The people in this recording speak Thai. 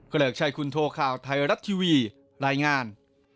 เกริกชัยคุณโทข่าวไทยรัฐทีวีรายงาน